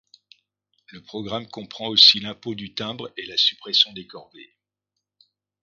Le programme comprend aussi l'impôt du timbre et la suppression des corvées.